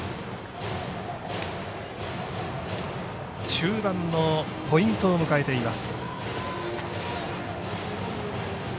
中盤のポイントを迎えています。